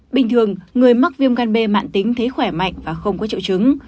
bình thường người mắc viêm gan b mạng tính thấy khỏe mạnh và không có triệu chứng